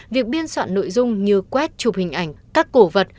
việc biên soạn nội dung như quét chụp hình ảnh các cổ vật